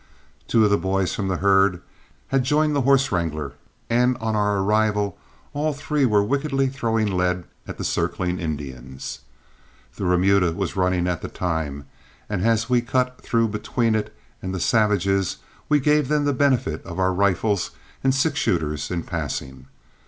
Two of the boys from the herd had joined the horse wrangler, and on our arrival all three were wickedly throwing lead at the circling Indians. The remuda was running at the time, and as we cut through between it and the savages we gave them the benefit of our rifles and six shooter in passing.